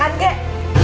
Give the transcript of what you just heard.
mas berisik hidur